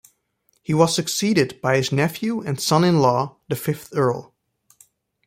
He was succeeded by his nephew and son-in-law, the fifth earl.